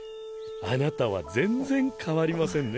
あなたは全然変わりませんね。